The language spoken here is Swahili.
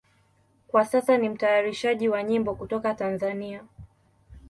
Kwa sasa ni mtayarishaji wa nyimbo kutoka Tanzania.